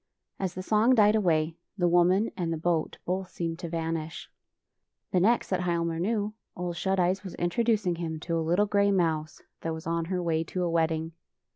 As the song died away, the woman and the boat both seemed to vanish. The next that Hialmar knew. Ole Shut Eyes was introducing him to a little gray mouse that was on her way to a wedding.